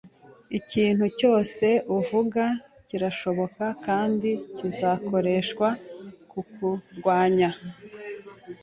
Ikintu cyose uvuga kirashobora kandi kizakoreshwa kukurwanya